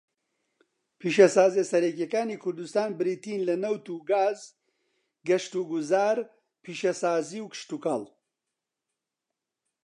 پیشەسازییە سەرەکییەکانی کوردستان بریتین لە نەوت و گاز، گەشتوگوزار، پیشەسازی، و کشتوکاڵ.